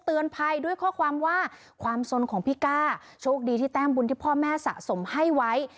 เตือนภัยด้วยข้อความว่าความสนของพี่ก้าโชคดีที่แต้มบุญที่พ่อแม่สะสมให้ไว้